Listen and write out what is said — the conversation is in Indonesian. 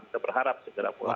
kita berharap segera pulang